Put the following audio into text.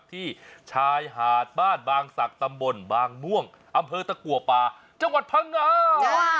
ที่ชายหาดบ้านบางศักดิ์ตำบลบางม่วงอำเภอตะกัวป่าจังหวัดพังงา